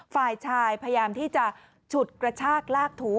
ฝ่ายชายพยายามที่จะฉุดกระชากลากถู